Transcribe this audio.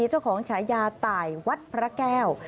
เจ้าของฉายาต่ายวัดพระแก้ว